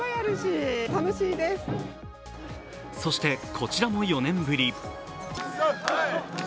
そして、こちらも４年ぶり。